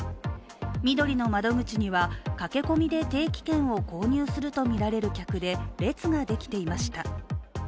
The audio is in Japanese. みどりの窓口には駆け込みで定期券を購入するとみられる客で列ができていました。